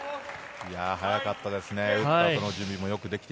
速かったですね。